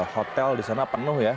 hotel di sana penuh ya